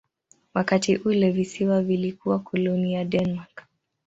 Wakati ule visiwa vilikuwa koloni ya Denmark.